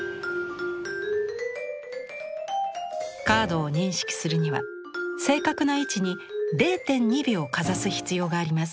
カードを認識するには正確な位置に０．２秒かざす必要があります。